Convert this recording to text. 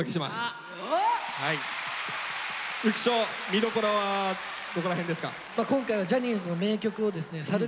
浮所見どころはどこら辺ですか？